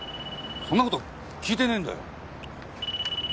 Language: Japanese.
そんな事訊いてねえんだよ。